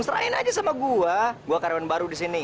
serahin aja sama gua gua karyawan baru di sini